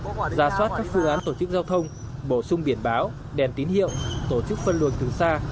giao thông giả soát các phương án tổ chức giao thông bổ sung biển báo đèn tín hiệu tổ chức phân luận từ xa